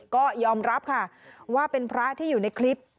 ก็ยอมรับค่ะว่าเป็นพระที่อยู่ในคลิป